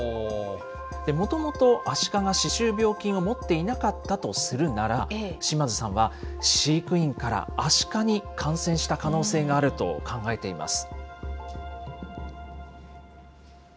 もともとアシカが歯周病菌を持っていなかったとするなら、島津さんは飼育員からアシカに感染した可能性があると考えています。